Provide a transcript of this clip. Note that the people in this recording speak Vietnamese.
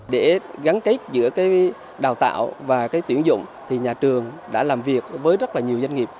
để gắn kết giữa đào tạo và tuyển dụng nhà trường đã làm việc với rất nhiều doanh nghiệp